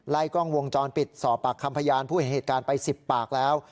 กล้องวงจรปิดสอบปากคำพยานผู้เห็นเหตุการณ์ไป๑๐ปากแล้ว